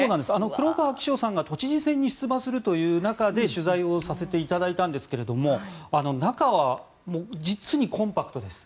黒川紀章さんが都知事選に出馬するという中で取材をさせていただいたんですが中は実にコンパクトです。